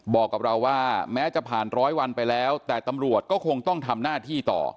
บอกกับเราว่าแม้จะผ่านร้อยวันไปแล้วแต่ตำรวจก็คงต้องทำหน้าที่ต่อ